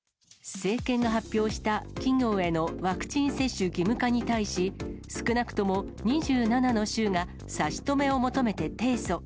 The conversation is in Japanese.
政権が発表した企業へのワクチン接種義務化に対し、少なくとも２７の州が差し止めを求めて提訴。